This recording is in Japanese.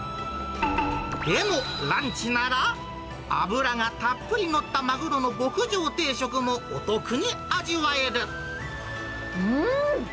でもランチなら、脂がたっぷり載ったマグロの極上定食もお得に味わえる。